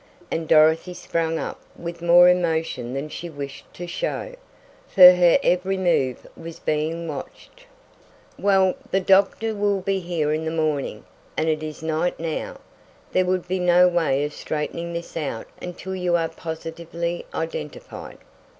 and Dorothy sprang up with more emotion than she wished to show, for her every move was being watched. "Well, the doctor will be here in the morning, and it is night now. There would be no way of straightening this out until you are positively identified."